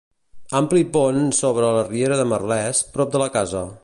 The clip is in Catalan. Ampli pont sobre la Riera de Merlès, prop de la casa.